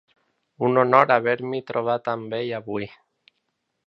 Un honor haver-m'hi trobat amb ell avui!